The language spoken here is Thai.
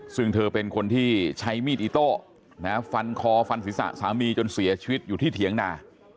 ซึ่งเธอเป็นคนที่ใช้มีดอิโต้ฟันคอฟันศีรษะสามีจนเสียชีวิตอยู่ที่เถียงนา